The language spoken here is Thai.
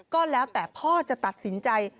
ก็แล้วแต่พ่อจะตัดสินใจ